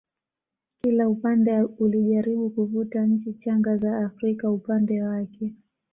kila upande ulijaribu kuvuta nchi changa za Afrika upande wake